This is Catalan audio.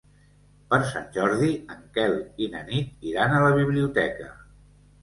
Per Sant Jordi en Quel i na Nit iran a la biblioteca.